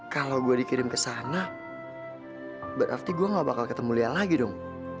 kalau gue dikirim ke sana berarti gue gak bakal ketemu dia lagi dong